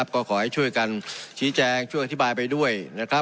ก็ขอให้ช่วยกันชี้แจงช่วยอธิบายไปด้วยนะครับ